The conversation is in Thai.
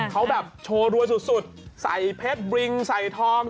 เขาแบบโชว์รวยสุดใส่เพชรบริงใส่ทอง